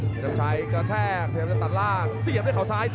เพชรน้ำชายกระแทกพยายามจะตัดลบแตกกันครับ